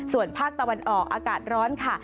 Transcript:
ส่วนภาคตะวันออกอากาศร้อนค่ะ